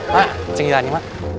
pak ceng jalan ya ma